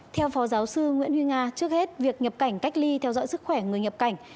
theo phó giáo sư nguyễn huy nga trước hết việc nhập cảnh cách ly theo dõi sức khỏe người nhập cảnh